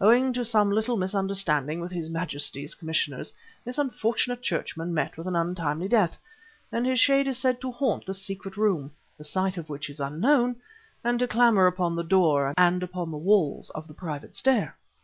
Owing to some little misunderstanding with His Majesty's commissioners, this unfortunate churchman met with an untimely death, and his shade is said to haunt the secret room the site of which is unknown and to clamor upon the door, and upon the walls of the private stair."